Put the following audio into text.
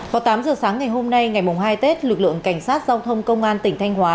vào tám giờ sáng ngày hôm nay ngày hai tết lực lượng cảnh sát giao thông công an tỉnh thanh hóa